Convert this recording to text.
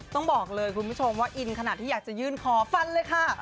ต้องบอกเลยคุณผู้ชมว่าอินขนาดที่อยากจะยื่นขอฟันเลยค่ะ